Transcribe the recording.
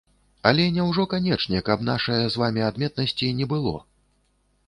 Але няўжо канечне, каб і нашае з вамі адметнасці не было?